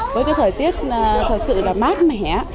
với thời tiết thật sự mát mẻ